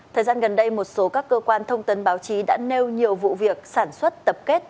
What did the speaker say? thời gian gần đây một số các cơ quan thông tấn báo chí đã nêu nhiều vụ việc sản xuất tập kết